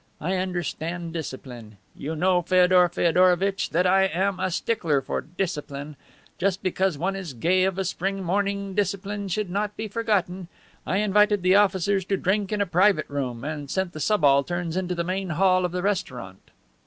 I understand discipline. You know, Feodor Feodorovitch, that I am a stickler for discipline. Just because one is gay of a spring morning, discipline should not be forgotten. I invited the officers to drink in a private room, and sent the subalterns into the main hall of the restaurant.